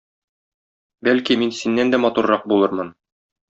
Бәлки, мин синнән дә матуррак булырмын.